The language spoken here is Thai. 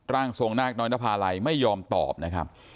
ร่างทรงนาคน้อยนภาลัยไม่ยอมตอบนะครับ